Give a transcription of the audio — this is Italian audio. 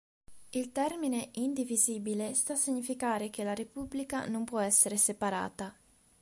Il termine "indivisibile" sta a significare che la Repubblica non può essere separata.